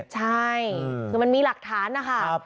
ใช่คือมันมีหลักฐานนะคะ